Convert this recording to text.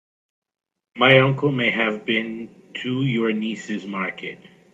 My uncle may have been to your niece's market.